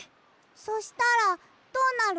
そしたらどうなるの？